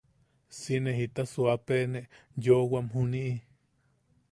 Si ne jita suuapene yoawam juniʼi.